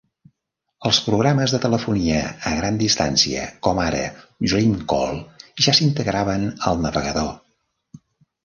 Els programes de telefonia a gran distància, com ara Dreamcall, ja s'integraven al navegador.